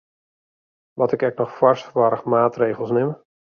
Moat ik ek noch foarsoarchmaatregels nimme?